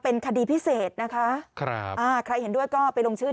เป็นคดีพิเศษนะคะครับอ่าใครเห็นด้วยก็ไปลงชื่อ